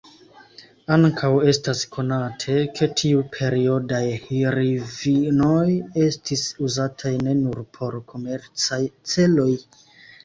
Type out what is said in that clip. Ankaŭ estas konate, ke tiuperiodaj hrivnoj estis uzataj ne nur por komercaj celoj.